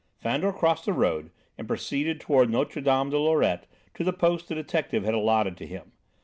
Fandor crossed the road and proceeded toward Notre Dame de Lorette to the post the detective had allotted to him.